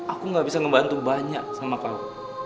aku gak bisa ngebantu banyak sama kau